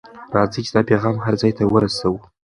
راځئ چې دا پیغام هر ځای ته ورسوو.